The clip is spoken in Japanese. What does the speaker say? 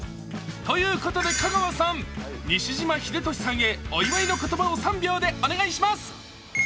ということで香川さん！西島秀俊へお祝いの言葉を３秒でお願いします。